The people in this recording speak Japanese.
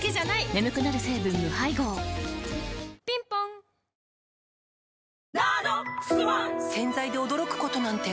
眠くなる成分無配合ぴんぽん洗剤で驚くことなんて